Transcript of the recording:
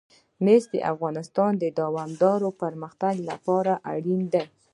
مس د افغانستان د دوامداره پرمختګ لپاره اړین دي.